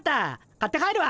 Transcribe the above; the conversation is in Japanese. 買って帰るわ。